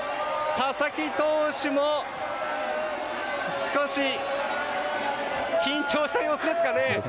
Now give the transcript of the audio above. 佐々木投手も少し緊張した様子ですかね。